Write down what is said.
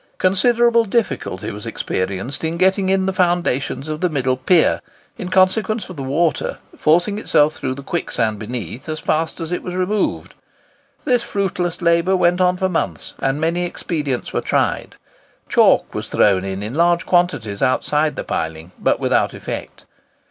Considerable difficulty was experienced in getting in the foundations of the middle pier, in consequence of the water forcing itself through the quicksand beneath as fast as it was removed, This fruitless labour went on for months, and many expedients were tried. Chalk was thrown in in large quantities outside the piling, but without effect.